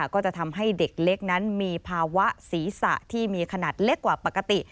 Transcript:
ก็จะทำให้เด็กเล็กนั้นมีภาวะศีรษะที่มีขนาดเล็กกว่าปกติ